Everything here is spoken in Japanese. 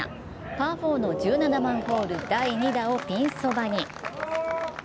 パー４の１７番ホールの第２打席をピンそばに。